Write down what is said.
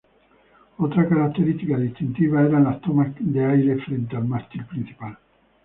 Otra característica distintiva eran las tomas de aire frente al mástil principal.